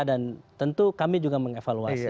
dan tentu kami juga mengevaluasi